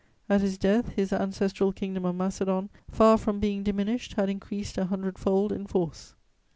At his death, his ancestral Kingdom of Macedon, far from being diminished, had increased a hundred fold in force.